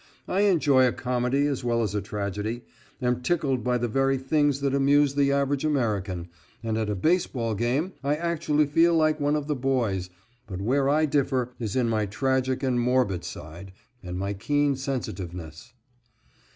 I enjoy a comedy as well as a tragedy, am tickled by the very things that amuse the average American, and at a baseball game I actually feel like one of the boys, but where I differ is in my tragic and morbid side, and my keen sensitiveness.